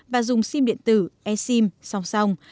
và dùng sim điện tử e sim song song